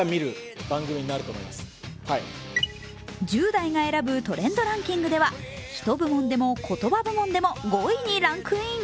１０代が選ぶトレンドランキングではヒト部門でもコトバ部門でも５位にランクイン。